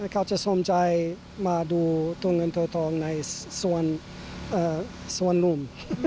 เขาจะสนใจมาดูตัวเงินเท่าในส่วนลุ่ม